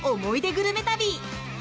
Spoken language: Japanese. グルメ旅。